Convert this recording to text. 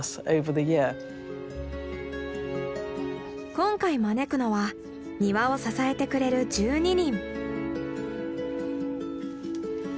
今回招くのは庭を支えてくれる１２人。